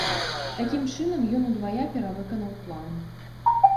Такім чынам ён удвая перавыканаў план.